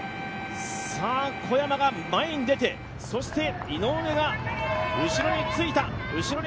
小山が前に出て、井上が後ろについた。